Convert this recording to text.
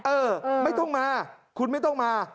เออไม่ต้องมาคุณไม่ต้องมา